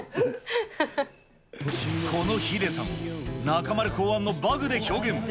このヒデさんを、中丸考案のバグで表現。